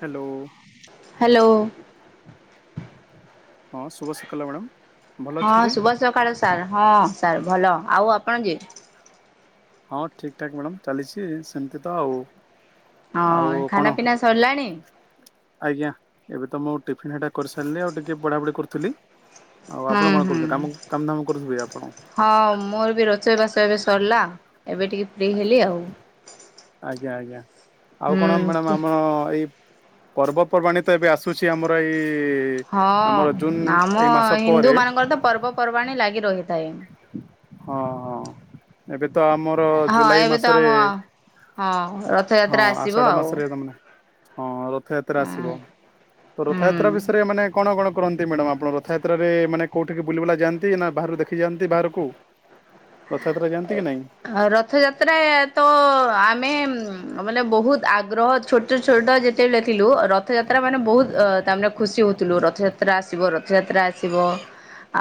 Hello hello. ହଁ ଶୁଭ ସକାଲ ମ୍ୟାଡ଼ାମ। ଭଲ ହଁ ଅଛନ୍ତି? ସୁଭ ସକାଳ ସାର୍ ହଁ ସାର୍। ଭଲ ଆଉ ଆପଣ କି ହଁ ଠିକ ଠାକ ମ୍ୟାଡ଼ାମ ଚାଲିଛି ସେମିତି ତ ଆଉ। ଆଉ ହଁ କଣ ଖାନା ପିନା ସରିଲାଣି? ତମ ଟିଫିନ ହେଟା କରିସାରିଲି ଆଉ ଟିକେ ବଢାବଢ଼ି କରୁଥିଲି। ଆଉ ହୁଁ ଆପଣ କଣ ହୁଁ କରୁଛନ୍ତି କାମ କାମ ଦାମ କରୁଥିବେ ଆପଣ ହଁ ମୋର ବି ରୋସେଇ ବାସ ଏବେ ସରିଲା ଏବେ ଟିକେ ଫ୍ରି ହେଲି ଆଉ। ଆଜ୍ଞା ଆଜ୍ଞା। ଆଉ କଣ ମ୍ୟାଡାମ ହୁଁ ଆମର ଏଇ ପର୍ବପର୍ବାଣି ତ ଏବେ ଆସୁଛି ଆମର ଏଇ ହଁ ଆମର ଜୁନ ଆମ ଏଇ ମାସ ହିନ୍ଦୁ ପରେ ମାନଙ୍କର ତ ପର୍ବପର୍ବାଣି ଲାଗି ରହେ ହଁ ହଁ। ଏବେ ତ ଆମର ହଁ ଜୁଲାଇ ଏବେ ତ ମାସରେ ଆମ ହଁ ହଁ ରଥଯାତ୍ରା ଆଷାଢ ଆସିବ ଆଉ। ମାସରେ ତମାନେ ହଁ ର ରଥଯାତ୍ରା ଆସିବ। ତ ରଥଯାତ୍ରା ହୁଁ ବିଷୟରେ ମାନେ କଣ କଣ କରନ୍ତି ମ୍ୟାଡାମ ଆପଣ ରଥଯାତ୍ରାରେ ମାନେ କୋଉଠିକି ବୁଲିବାଲା ଯାଆନ୍ତି ନା ବାହାରୁ ଦେଖ ଦେଖି ଯାଆନ୍ତି ବାହାରକୁ? ରଥଯାତ୍ରା ଯାଆନ୍ତି କି ନାଇଁ ରଥଯାତ୍ରା ତ ଆମେ ବୋଲ ମାନେ ବହୁତ ଆଗ୍ରହ ଛୋଟ ଛୋଟ ଯେତେବେଳେ ଥିଲୁ ରଥଯାତ୍ରା ମାନେ ବହୁତ ତ ତା ମାନେ ଖୁସି ହଉଥିଲୁ ରଥଯାତ୍ରା ଆସିବ, ରଥଯାତ୍ରା ଆସିବ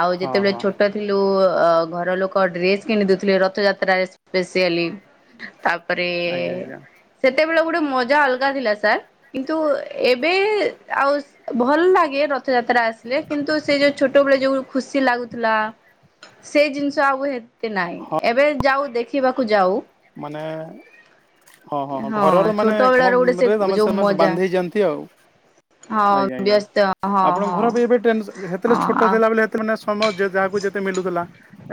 ଆଉ ହଁ ଯେତେବେଳେ ହଁ ଛୋଟ ଥିଲୁ ଅ ଘର ଲୋକ ଡ୍ରେସ୍ କିଣି ଦଉ ଥିଲେ ରଥଯାତ୍ରାରେ ସ୍ପେସିଆଲି। ତାପରେ ଆଜ୍ଞା ଆଜ୍ଞା ସେତେବେଳ ଗୋଟେ ମଜା ଅଲଗା ଥିଲା ସାର୍ କିନ୍ତୁ ଏବେ ଆଉ ଭଲ ଲାଗେ ରଥଯାତ୍ରା ଆସିଲେ କିନ୍ତୁ ସେ ଯୋଉ ଛୋଟବେଳେ ଯୋଉ ଖୁସି ଲାଗୁଥିଲା, ସେ ଜିନିଷ ଆଉ ହେ ତେ ନାହିଁ। ଏବେ ଯାଉ ଦେଖିବାକୁ ଯାଉ ମାନେ ହଁ ହଁ ଘରର ମାନେ ଛୋଟ ବେଳାର ଗୋଟେ ସେ କାମରେ ତମେ ଯୋଉ ସେମାନେ ମଜା ବାନ୍ଧିହେଇଆନ୍ତି ଆଉ ଆଜ୍ଞା ହଁ ବ୍ୟସ୍ତ ହଁ ଆଜ୍ଞା--ଆପଣଙ୍କ ହଁ ଘର ବି ଏବେ ଟେନ୍ସ ହେଥିରେ ହଁ ଛୋଟ ଆଉ ଥିଲା ବେଳେ ହେତେବେଲେ ସମୟ ଯାହାକୁ ଯେତେ ମଳୁଥିଲା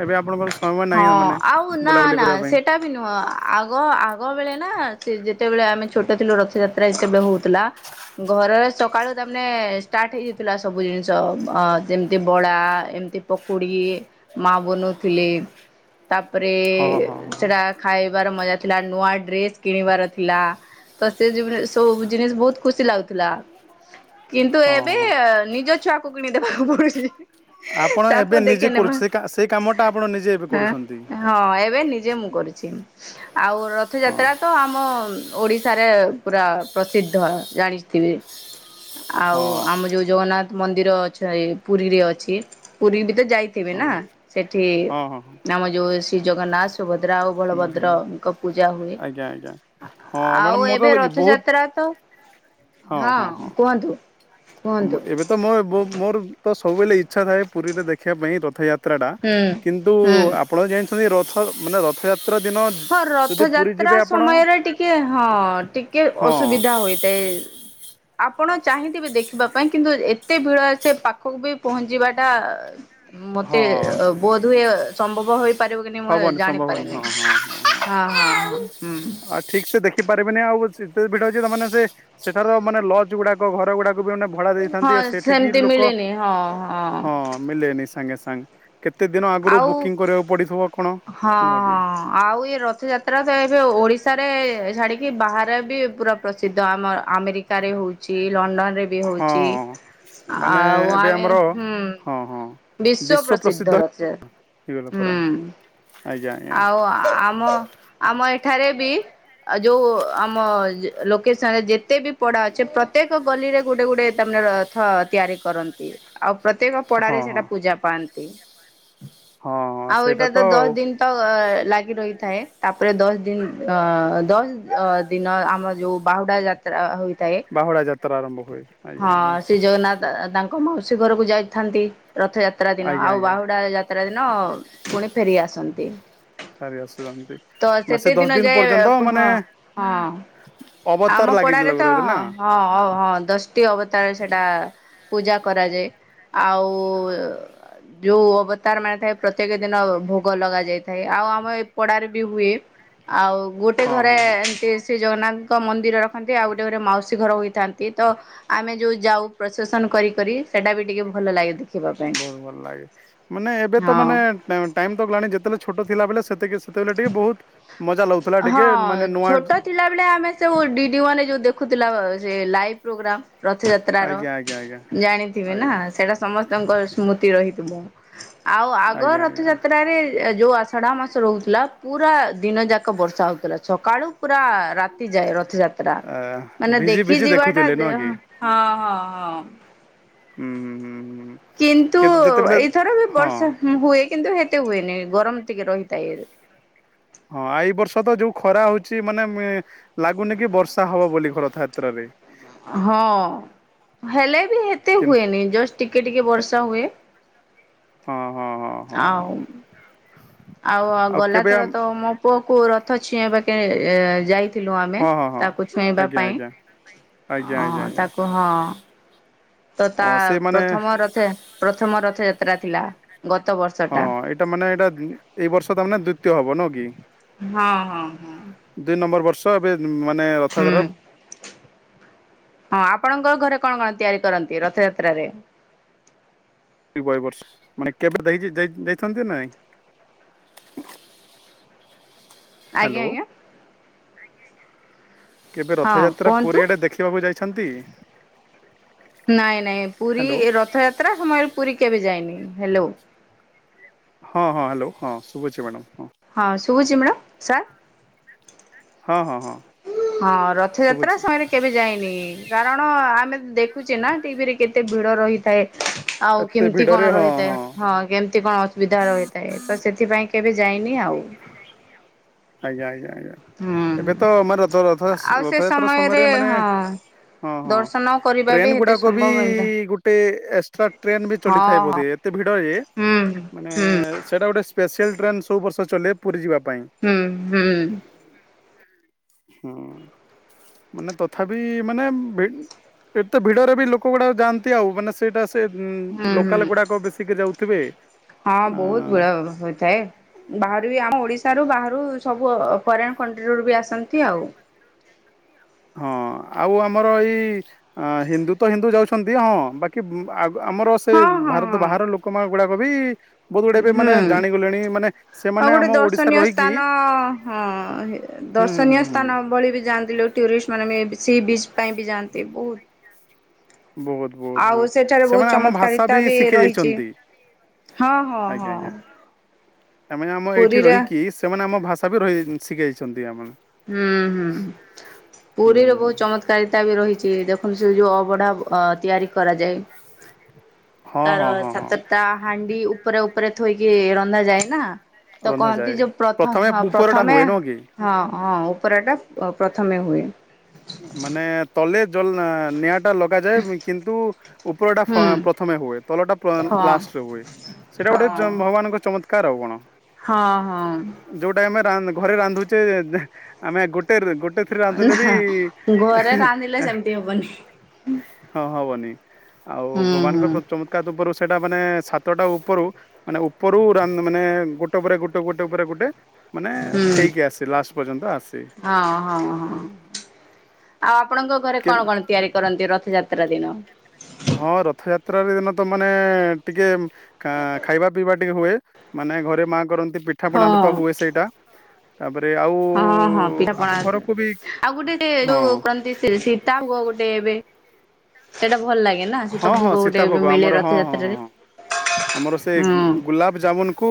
ଏବେ ଆପଣଙ୍କର ସମୟ ନାହିଁ ମାନେ ଆଉ ନା ବୁଲାବୁଲି ନା କରିବା ପାଇଁ ସେଟା ବି ହଁ ଆଗ ଆଗ ବେଳେ ନା ସେ ଯେତେବେଳେ ଆମେ ଛୋଟ ଥିଲୁ ରଥଯାତ୍ରା [unintelligible] ହଉଥିଲା। ଘରରେ ସକାଳୁ ତାମାନେ ଷ୍ଟାର୍ଟ ହେଇଯାଇଥିଲା ସବୁ ଜିନିଷ ଅ ଯେମିତି ବଡା ଏମିତି ପକୁଡି ମା ବନୁ ଥିଲେ ତାପରେ ହଁ ହଁ ହଁ ସେଟା ଖାଇବାର ମଜା ଥିଲା, ନୂଆ ଡ୍ରେସ କିଣିବାର ଥିଲା ତ ସେ ସବୁ ଜିନିଷ ବହୁତ ଖୁସି ଲାଗୁ ଥିଲା କିନ୍ତୁ ହଁ ଏବେ ହଁ ନିଜ ଛୁଆକୁ [unintelligible] ଆପଣ ଏବେ ନିଜେ କରୁଛି ସେ ସେଇ କାମଟା ଆପଣ ନିଜେ ଏବେ ଆଁ କରୁଛନ୍ତି ହଁ ଏବେ ନିଜେ ମୁଁ କରିଛି ଆଉ ହଁ ରଥଯାତ୍ରା ତ ଆମ ଓଡିଶାରେ ପୁରା ପ୍ରସିଦ୍ଧ ଜାଣିଥିବେ। ଆଉ ହଁ ଆମ ଯୋଉ ଜଗନ୍ନାଥ ମନ୍ଦିର ଅଛାଇ ପୁରୀରେ ଅଛି ପୁରୀ ଯାଇଥିବେ ହଁ ହଁ ନା। ସେଠି ହଁ ହଁ। ଆମ ଯୋଉ ଶ୍ରୀ ଜଗନ୍ନାଥ ସୁଭଦ୍ରା ଆଉ ହୁଁ ହୁଁ ବଳଭଦ୍ରଙ୍କ ପୂଜା ହୁଏ ଆଜ୍ଞା ଆଜ୍ଞା ହଁ ମ୍ୟାଡ଼ାମ ଆଉ ମୋର ଏବେ ତ ବହୁତ ରଥଯାତ୍ରା ତ ହଁ କୁହନ୍ତୁ। କୁହନ୍ତୁ ଏବେ ତ ମୋ ମୋର ତ ସବୁବେଳେ ଇଚ୍ଛା ଥାଏ ପୁରୀରେ ଦେଖିବା ପାଇଁ ର [unintelligible] ଯାତ୍ରା ଟା ହୁଁ କିନ୍ତୁ ହୁଁ। ଆପଣ ଜେନ୍ସ ରଥ ମାନେ ରଥଯାତ ହଁ ରଥଯାତ୍ରା ସମୟରେ ଟିକେ ହଁ ଟିକେ ହଁ ଅସୁବିଧା ହୋଇଥାଏ। ଆପଣ ଚାହିଁଥିବେ ଦେଖିବା ପାଇଁ କିନ୍ତୁ ଏତେ ଭିଡ ସେ ପାଖକୁ ବି ପହଞ୍ଚିବାଟା ମତେ ହଁ ବୋଧହୁୁଏ ସମ୍ଭବ ହୋଇପାରିବ ନି ମୁଁ ହବନି ସମ୍ଭବନି ଜାଣିପାରିନି। ହଁ ହଁ ଆଉ ଠିକ ସେ ଦେଖିପାରିବେନି ଆଉ ଭିଡ ଅଛି ତାମା ନେ ସେଠାର ମାନେ ଲଜ ଗୁଡାକ ଘର ଗୁଡାକ ମାନେ ଭଡା ଦେଇଥାନ୍ତି ହଁ ଆ ସେଠିକି ସେମିତି ଲୋକ ମିଳେନି ହଁ ହଁ ମିଲେନି ସାଙ୍ଗେ ସାଙ୍ଗ କେତେ ଦିନ ଆଗରୁ ଆଉ ବୁକିଂ କରିବାକୁ ପଡ଼ିଥିବ ହଁ ହଁ ଆଉ ଏଇ ରଥଯାତ୍ରା ତ ଏବେ ଓଡିଶାରେ ଏ ଛାଡିକି ବାହାରେ ବି ପୁରା ପ୍ରସିଦ୍ଧ ଆମ ଆମେରିକାରେ ହଉଛି। ଲଣ୍ଡନ ରେ ବି ହଁ ହଉଛି ମାନେ ଆଉ ଏବେ ଆମେ ଆମର ହୁଁ ହଁ ହଁ ବିଶ୍ଵ ପ୍ରସିଦ୍ଧ ହେଇଗଲା ରଥଯାତ୍ରା ପୁରା ହୁଁ। ଆଜ୍ଞା ଆଜ୍ଞା ଆଉ ଆମ ଆମ ଏଠାରେ ବି ଆଉ ଯୋଉ ଆମ ଲୋକେସନ ରେ ଯେତେ ବି ପଡା ଅଛି ପ୍ରତ୍ୟେକ ଗଲିରେ ଗୋଟେ ଗୋଟେ ତାମାନେ ରଥ ତିଆରି କରନ୍ତି। ଆଉ ପ୍ରତ୍ୟେକ ହଁ ପଡାରେ ହଁ ସେଇଟା ପୂଜା ପାଆନ୍ତି। ହଁ ହଁ ସେଇଟା ତ ଆଉ। ଅ ଲାଗି ରହି ଥାଏ ତାପରେ ଦଶ ଦିନ ଦଶ ଦିନ ଆମର ଯୋଉ ବାହୁଡା ଯାତ୍ରା ହୋଇ ବାହୁଡ଼ା ଯାତ ଯାତ୍ରା ଆରମ୍ଭ ହୁଏ। ହଁ ଆଜ୍ଞା ଆଜ୍ଞା ସେ ଜଗନ୍ନାଥ ତାଙ୍କ ମାଉସୀ ଘରକୁ ଯାଇ ଥାନ୍ତି। ରଥଯାତ୍ରା ଦିନ ଆଜ୍ଞା ଆଉ ଆଜ୍ଞା ବାହୁଡା ଯାତ୍ରା ଦିନ ପୁଣି ଫେରି ଆସନ୍ତି। ସାରି ଆସିଥାନ୍ତି ତ ମାସେ ସେତେ ଦଶ ଦିନ ଯାଏ ପର୍ଯ୍ୟନ୍ତ ମାନେ ହଁ ହଁ ଅବତାର ଆମ ପଡାରେ ଲାଗିଥିଲା ତ ରହିବେ ନା ହଁ ହଉ ହଁ ଦଶ ଦ୍ୱିତୀୟ ଅବତାର ସେଟା ପୂଜା କରାଯାଏ। ଆଉ ଯୋଉ ଅବତାର ମାନେ ଥାଏ ପ୍ରତ୍ୟେକ ଦିନ ଭୋଗ ଲଗାଯାଇଥାଏ ଆଉ ଆମ ଏ ପଡାରେ ବି ହୁଏ ଆଉ ଗୋଟେ ହଁ ଘରେ ହଁ ହଁ ଏମିତି ଶ୍ରୀ ଜଗନ୍ନାଥ ଏକ ମନ୍ଦିର ରଖନ୍ତି ଆଉ ଗୋଟେ ଗୋଟେ ମାଉସୀ ଘର ହୋଇଥାନ୍ତି ତ ଆମେ ଯୋଉ ଯାଉ ପ୍ରସେସନ୍ କରିି କରି ସେଇଟା ବି ଟିକେ ଭଲ ଲାଗେ ଦେଖିବା ପାଇଁ ବହୁତ ଭଲ ଲାଗେ ମାନେ ଏବେ ତ ହଁ। ମାନେ ଟାଇମ ତ ଗଲାଣି ଯେତେବେଳେ ଛୋଟ ଥିଲା ବେଳେ ସେତିକି ସେତେବେଳେ ଟିକେ ବହୁତ ମଜା ଲାଗୁଥିଲା ହଁ ଟିକେ ମାନେ ନୂଆ ଛୋଟ ଥିଲାବେଳେ ଆମେ ସବୁ ଡିଡି ୱାନରେ ଯୋଉ ଦେଖୁଥିଲା ଯେ ଲାଇଭ ପ୍ରୋଗ୍ରାମ ରଥଯାତ୍ରାର ଆଜ୍ଞା ଆଜ୍ଞା ଆଜ୍ଞା ଜାଣିଥିବେ ନା ଆଜ୍ଞା। ସେଇଟା ସମସ୍ତଙ୍କ ସ୍ମୃତି ରହିଥିବ ଆଉ ଆଗ ଆଜ୍ଞା ଆଜ୍ଞା ରଥଯାତ୍ରାରେ ଯୋଉ ଆଷାଢ଼ ମାସ ରହୁଥିଲା ପୁରା ଦିନ ଯାକ ବର୍ଷା ହଉ ଥିଲା ସକାଳୁ ପୁରା ରାତି ଯାଏ ରଥଯାତ୍ରା ଆ ମାନେ ଭିଜି ଦେଖି ଭିଜି ଯିବାଟା ଦେଖୁଥିଲେ ନୁହଁ ହଁ କି ହଁ ହଁ। ହୁଁ ହୁଁ ହୁଁ। ହୁଁ। କିନ୍ତୁ କେ ଯେତେବେଳେ ଏଇଥର ବି ହଁ ବର୍ଷା ମ୍ ହୁଏ। କିନ୍ତୁ ହେତେ ହୁଏନି ଗରମ ଟିକେ ରହିଥାଏ। ହଁ ଏଇ ବର୍ଷ ତ ଯୋଉ ଖରା ହଉଛି ମାନେ ଏ ଲାଗୁନି କି ବର୍ଷା ହବ ବୋଲି ହ ରଥଯାତ୍ରାରେ। ହଁ ହେଲେ ବି ହେତେ କେମତି ହୁଏନି ଜଷ୍ଟ ଟିକେ ଟିକେ ବର୍ଷା ହୁଏ ହଁ ହଁ ହଁ ହଁ ହଁ ଆଉ ଆଉ ଗଲାଥର ତ ମୋ ପୁଅ କୁ ରଥ ଛୁଇଁବା [unintelligible] ଯାଇ ଥିଲୁ ଆମେ ହଁ ହଁ ହଁ ତାକୁ ଛୁଇଁବା ଆଜ୍ଞା ପାଇଁ ଆଜ୍ଞା ଆଜ୍ଞା ଆଜ୍ଞା ଆଜ୍ଞା ତାକୁ ହଁ ତ ତା ହଁ ସେ ମାନେ ପ୍ରଥମ ରଥ ପ୍ରଥମ ରଥ ଜା ଯାତ୍ରା ଥିଲା। ଗତ ହଁ ବର୍ଷଟା। ଏଇଟା ମାନେ ଏଇଟା ଏଇ ବର୍ଷ ତ ମାନେ ଦ୍ଵିତୀୟ ହବ ନା କି? ହଁ ହଁ ହଁ। ଦୁଇ ନମ୍ବର ବର୍ଷ ଏବେ ମାନେ ରଥ ଯାତ୍ରା ହୁଁ ର ହଁ ଆପଣଙ୍କ ଘରେ କଣ କଣ ତିଆରି କରନ୍ତି ରଥଯାତ୍ରାରେ? ବ ବର୍ଷ ମାନେ କେବେ ଦେ ଯାଇଥାନ୍ତ ନାଇଁ। ଆଜ୍ଞା ହ୍ୟାଲୋ ଆଜ୍ଞା। କେବେ ହଁ ରଥଯାତ୍ରା କୁହନ୍ତୁ। ପୁରୀଆଡେ ଦେଖିବାକୁ ଯାଇଛନ୍ତି? ନାଇଁ ନାଇଁ ପୁରୀ ହ୍ୟାଲୋ ରଥଯାତ୍ରା ସମୟରେ ପୁରୀ କେବେ ଯାଇନି ହେଲୋ। ହଁ ହଁ ହ୍ୟାଲୋ ହଁ ଶୁଭୋଛି ମ୍ୟାଡ଼ାମ। ହଁ ଶୁଭୁଛି ମ୍ୟାଡ଼ମ୍ ସାର୍ ହଁ ହଁ। ହଁ ହଁ ରଥଯାତ୍ରା ଶୁଭୁଛି ସମୟରେ କେବେ ଯାଇନି କାରଣ ଆମେ ଦେଖ ଚିନା ଟିଭିରେ କେତେ ଭିଡ଼ ରହିଥାଏ। ଆଉ ଏତେ କେମିତି ଭିଡରେ କଣ ହଁ ରହିଥାଏ ହଁ କେମତି କଣ ଅସୁବିଧା ରହିଥାଏ ତ ସେଥିପାଇଁ କେବେ ଯାଇନି ଆଉ। ଆଜ୍ଞା ଆଜ୍ଞା ଆଜ୍ଞା ହୁଁ ଏବେ ତ ଆମ ରଥ ରଥ ଆଉ ସେ ରଥଯାତ୍ରା ସମୟରେ ମାନେ ହଁ ହଁ ହଁ ଦର୍ଶନ କରିବା ବି ଟ୍ରେନ୍ ଏତେ ଗୁଡ଼ାକ ବି ସମ୍ଭବ ନୁହେଁ ଗୋଟେ ଏକ୍ସଟ୍ରା ଟେନ ବି ଚଲିଥାଏ ହଁ ବୋଧ ହଁ ଏତେ ଭିଡ ଯେ ହୁଁ ମାନେ ହୁଁ ସେଟା ଗୋଟେ ସ୍ପେଶାଲ୍ ଟ୍ରେନ୍ ସବୁ ବର୍ଷ ଚଲେ ପୁରୀ ଯିବା ପାଇଁ ହୁଁ ହୁଁ। ହୁଁ ମାନେ ତଥାପି ମାନେ ଏତେ ଭିଡରେ ବି ଲୋକ ଗୁଡା ଯାଆନ୍ତି ଆଉ ମାନେ ସେଇଟା ସେ ହୁଁ ଲୋକାଲ ହୁଁ ଗୁଡାକ ବେଶିକି ଯାଉଥିବେ ହଁ ଅ ବହୁତ [unintelligible] ହୋଇଥାଏ ବାହରୁବି ଆମ ଓଡିଶାରୁ ବାହାରୁ ସବୁ ଫରେନ୍ କଣ୍ଟ୍ରିରୁ ବି ଆସନ୍ତି ଆଉ। ହଁ ଆଉ ଆମର ଏଇ ହିନ୍ଦୁ ତ ହିନ୍ଦୁ ଯାଉଛନ୍ତି ହଁ ବାକି ଆମର ସେ ହଁ ହଁ ଭାରତ ବାହାର ଲୋକମାନେ ଗୁଡାକ ବି ବହୁତ ଗୁଡେ ଏବେ ହୁଁ ମାନେ ଜାଣିଗଲେଣି ମାନେ ଆଉ ସେମାନେ ଗୋଟେ ଆମ ଓଡିଶାରେ ଦର୍ଶନୀୟ ରହିକି ସ୍ଥାନ ହଁ ହେ ହୁଁ ହୁଁ ଦର୍ଶନୀୟ ହୁଁ ହୁଁ ସ୍ଥାନ ଭଳି ବି ଜାଆନ୍ତି ଲୋକ ଟୁରିଷ୍ଟ। ମାନେ ମେବି ସିବିଚ୍ ପାଇଁ ବି ଯାଆନ୍ତି ବୋହୁତ ବୋହୁତ ବୋହୁତ ବୋହୁତ ବହୁତ ସେମାନେ ଆମ ଭାଷା ଚମତ୍କାରିତା ବି ଶିଖି ରହିଛି। ଯାଇଚନ୍ତି ହଁ ହଁ ଆଜ୍ଞା ହଁ ଆଜ୍ଞା। ସେମାନେ ଆମ ଏଇଠି ପୁରୀରେ ରହିକି ସେମାନେ ଆମ ଭାଷା ସବୁ ରହିଯାଇଚନ୍ତି ଶିଖି ଯାଇଛନ୍ତି ଆପଣ। ଉଁ ହୁଁ ହୁଁ ପୁରିରେ ବୋହୁତ ଚମତ୍କାରିତା ବି ରହିଚି ଦେଖନ୍ତୁ ସେ ଯୋଉ ଅବଢା ଅ ତିଆରି କରାଯାଏ। ହଁ ହଁ କାରଣ ହଁ ହଁ ସାତଟା ହାଣ୍ଡି ଉପରେ ଉପରେ ଥୋଇକି ରନ୍ଧା ଯାଏନା। ତ ରନ୍ଧାଯାଏ। କଣତି ଯୋଉ ପ୍ରଥ ପ୍ରଥମେ ହଁ ଉପରଟା ପ୍ରଥମେ ହୁଏ ନୁହଁ କି? ହଁ। ହଁ ଉପରଟା ପ-ପ୍ରଥମେ ହୁଏ। ମାନେ ତଲେ ଜଲନା ନିଆଁ ଟା ଲଗାଯାଏ କିନ୍ତୁ ଉପରଟା ହୁଁ ଫ ପ୍ରଥମେ ହୁଏ ତଲଟା ପା ହଁ ଲାଷ୍ଟରେ ହୁଏ ସେଟା ଗୋଟେ ହଁ ଯ ଭଗବାନଙ୍କ ଚମ କାରବଣ ହଁ ହଁମ। ଟା ଆମେ ଘରେ ରାନ୍ଧୁଚେ ଦଁ ଆମେ ଗୋଟେ ରେ ଗୋ ଗୋଟେ ଥିରେ ରାନ୍ଧିଲେ ବି ନା ଘରେ ରାନ୍ଧିଲେ ସେମିତି ହବନି। ବନି ଆଉ ହୁଁ ହୁଁ ଭଗବାନଙ୍କର ପ୍ର ଚମତ୍କାର ଉପରୁ ସେଟା ମାନେ ସାତଟା ଉପରୁ ମାନେ ଉପରୁ ରାନ୍ଧ ମାନେ ଗୋଟେ ପରେ ଗୋଟେ ଗୋଟେ ଉପରେ ଗୋଟେ ମାନେ ହୁଁ ହେଇକି ଆସେ ଲାଷ୍ଟ ପର୍ଯ୍ୟନ୍ତ ଆସେ ଆପ ଆପଣଙ୍କ ଘରେ କେ କଣ କଣ ତିଆରି କରନ୍ତି ରଥଯାତ ତ୍ରା ଦିନ ହଁ ରଥଯାତ୍ରାର ଦିନ ତ ମାନେ ଟିକେ ଖା ଖାଇବା ପିଇବା ଟିକେ ହୁଏ ମାନେ ଘରେ ମା କରନ୍ତ ହଁ ପିଠାପଣା ବି ତ ହୁଏ ସେଇଟା ତାପରେ ଆଉ ହଁ ହଁ ଆମ ପିଠାପଣା ଘରକୁ ବି ଆସ ଆଉ ଗୋଟେ ସେ ହଁ ଯୋଉ କରନ୍ତି ସେ ସୀତା ହଅ ଗୋଟେ ଏବେ ସେଇଟା ଭଲ ଲାଗେ ନା ସୀତା ହଁ ହଁ ଭୋଗ ଗୋଟେ ସୀତା ଏବେ ଭୋଗ ମିଳେ ଆମର ହଁ ହଁ ହଁ ରଥଯାତ୍ରାରେ ହଁ ଆମର ସେ ହୁଁ ଗୁଲାପଜାମୁନକୁ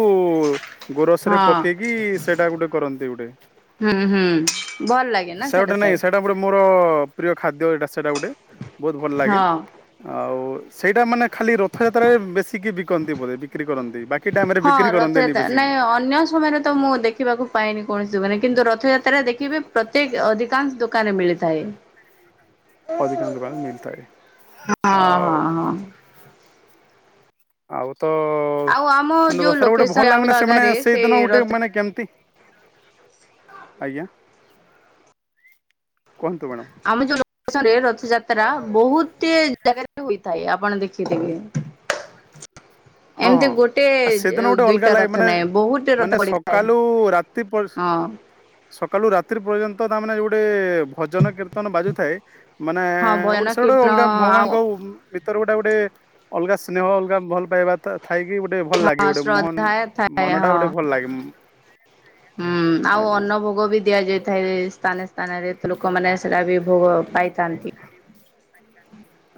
ଗୋରସ ରେ ହଁ ପକେଇକି ସେଇଟା ଗୋଟେ କରନ୍ତି ଗୋଟେ ହୁଁ ହୁଁ ଭଲ ଲାଗେ ନା ସେଟ ଗୋଟେ ନାଇଁ ସାର୍ ସେଇଟା ଗୋଟେ ମୋର ପ୍ରିୟ ଖାଦ୍ୟଟା ସେଟା ଗୋଟେ ବହୁତ ଭଲ ଲାଗେ ହଁ ଆଉ ସେଇଟା ମାନେ ଖାଲି ରଥଯାତ୍ରାରେ ବେଶିକି ବିକନ୍ତି ବୋଧେ ବିକ୍ରି କରନ୍ତି ବାକି ଟାଇମ ରେ ବିକ୍ରି ହଁ କରନ୍ତିନି ରଥଯାତ୍ରା ବେଶିକି। ନାଇଁ ଅନ୍ୟ ସମୟରେ ତ ମୁଁ ଦେଖିବାକୁ ପାଏନି କୌଣସି ଯୁଗ ନାଁ କିନ୍ତୁ ରଥଯାତ୍ରା ଯାତ୍ରାରେ ଦେଖିବେ ପ୍ରତ୍ୟେକ ଅଧିକାଂଶ ଦୋକାନରେ ମିଳିଥାଏ। ଅଧିକାଂଶ ଦୋକାନ ମିଲଥାଏ ହଁ ହଁ ଆଉ ହଁ। ଆଉ ତ ଆଉ ଆମ ମାନେ ଯୋଉ ରସ୍ଟା ଗୋଟେ ଲୋକେସନ ଭଲ ଆମ ଲାଗୁନ ସେମାନେ ଜାଗାରେ ସେ ସେଇଦିନ ଗୋଟେ ରଥ ମାନେ କେମିତି ଆଜ୍ଞା କୁହନ୍ତୁ ମ୍ୟାଡ଼ମ୍ ଆମ ଯୋଉ ରେ ରଥଯାତ ଯାତ୍ରା ବହୁତ ଜାଗାରେ ହୋଇଥାଏ ଆପଣ ଦେଖି କି ଦେି ହଁ ହଁ ଆ ସେଦିନ ଗୋଟେ ଅଲଗା ଦୁଇଟା ଲାଗେ ରଥ ମାନେ ନାହିଁ ବହୁତ ରଥ ମାନେ ପଡିଥାଏ ସକାଲୁ ରାତି ହଁ। ସକାଲୁ ରାତି ପର୍ଯ୍ୟନ୍ତ ତା ମାନେ ଯୋ ଗୋଟେ ଭଜନ କୀର୍ତ୍ତନ ବାଜୁଥାଏ। ମାନେ ହଁ ଭଜନ ଗୋଟେ ସେ ଗଟେ କୀର୍ତ୍ତନ ଅଲଗା ଆଉ ଭଗବାନଙ୍କ ଭିତର ଗୋଟେ ଗୋଟେ। ଅଲଗା ସ୍ନେହ ଅଲଗା ଭଲ ପାଇବା ତଥା ହଁ ଶ୍ରଦ୍ଧା ଥାଏ ମନ ଟା ଗୋଟେ ଭଲ ହଁ ଲାଗେ ହୁଁ ଆଉ ଆଜ୍ଞା ଅନ୍ନ ଭୋଗ ବି ଦିଆଯାଇଥାଏ ସ୍ଥାନ ସ୍ଥାନରେ ତ ଲୋକମାନୋନ ସେଟା ବି ଭୋଗ ପାଇଥାନ୍ତି।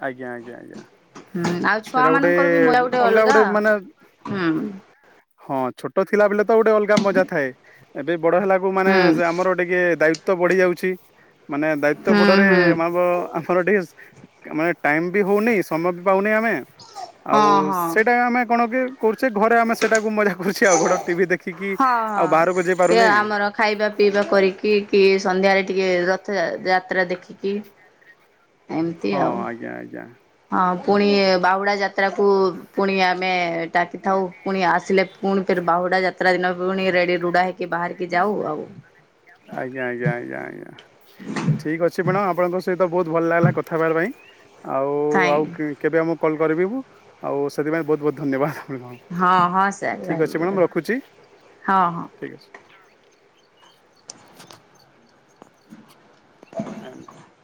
ଆଜ୍ଞା ଆଜ୍ଞା ଆଞା ହୁଁ ଆଉ ଛୁଆ ସେଇଟା ଗୋଟେ ମାନଙ୍କର ବି ମଜା ଅଲଗା ଗୋଟେ ମାନେ ହୁଁ। ହଁ। ଛୋଟ ଥିଲା ବେଳେ ଗୋଟେ ଅଲଗା ମଜା ଥାଏ। ଏବେ ବଡ ହେଲାକୁ ମାନେ ହୁଁ ସେ ଆମର ଟିକେ ଦାୟିତ୍ୱ ତ ବଢି ଯାଉଛି ମାନେ ଦାୟିତ୍ୱ ହୁଁ ବୋଡରେ ହୁଁ ଆମର ଟିକେ ମାନେ ଟାଇମ ବି ହଉନି ସମୟ ବି ପାଉନେ ଆମେ ଆଉ ହଁ ହଁ। ସେଇଟା ଆମେ କଣ କି କରୁଛେ ଘରେ ଆମେ ସେଇଟାକୁ ମଜା କରୁଛେ ଆଉ ହଁ ଘର ଟିଭି ଦେଖିକି ଆଉ ହଁ ବାହାରକୁ ଯାଇ ସେ ପାରୁନେ ଆମର ଖାଇବା ପିଇବା କରିକି କିଏ ସନ୍ଧ୍ୟାରେ ଟିକେ ର ଥ ଯାତ୍ରା ଦେଖିକି ଏମିତି ହଁ ଆଉ ଆଜ୍ଞା ଆଜ୍ଞା ହଁ ପୁଣି ବାହୁଡା ଯାତ୍ ଯାତ୍ରାକୁ ପୁଣି ଆମେ ଟାକିଥାଉ ପୁଣି ଆସିଲେ ପୁଣି ଫେରେ ବାହୁଡା ଯାତ୍ରା ଦିନ ଫୁଣି ରେଡି ରୁଡ଼ା ହେଇକି ବାହାରି କି ଯାଉ ଆଉ ଆଜ୍ଞା ଆଜ୍ଞା ଆଜ୍ଞା ଆଜ୍ଞା ଠିକ ଅଛି ମ୍ୟାଡ଼ାମ ଆପଣଙ୍କ ସହିତ ବହୁତ ଭଲ ଲାଗିଲା କଥାହେବାର ପାଇଁ। ଆଉ ଆଉ ଥାଇଁ କେ କେବେ ଆମ କଲ୍ କରିବି ମୁଁ ଆଉ ସେଥିପାଇଁ ବହୁତ ବହୁତ ଧନ୍ୟବାଦ। ଆପଣଙ୍କୁ। ହଁ ହଁ ସାର୍ ଠିକ୍ ଅଛି ରହିଲି ମ୍ୟାଡ଼ାମ ରଖୁଛି ରହିଲି ହଁ ହଁ। ଠିକ୍ ଅଛି। [unintelligible]